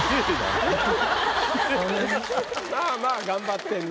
まあまあ「頑張ってんな」。